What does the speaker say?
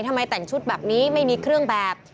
ทำไมแต่งชุดแบบนี้ไม่มีเครื่องแบบ